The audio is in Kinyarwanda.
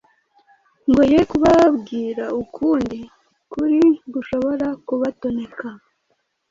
ngo ye kubabwira ukundi kuri gushobora kubatoneka.